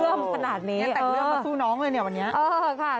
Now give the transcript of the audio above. เลื่อมขนาดนี้เนี่ยแต่เลื่อมมาสู้น้องเลยเนี่ยวันนี้เออค่ะ